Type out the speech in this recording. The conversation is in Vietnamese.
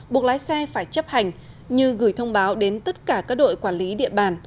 buộc lái xe phải chấp hành như gửi thông báo đến tất cả các đội quản lý địa bàn